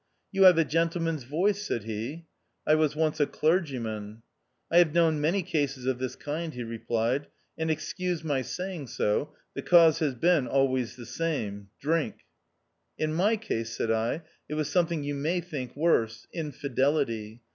" You have a gentleman's voice," said he. " I was once a clergyman." " I have known niany cases of this kind," he replied, " and excuse my saying so ; the cause has been always the same — drink" " In my case," said I, " it was something you may think worse — Infidelity.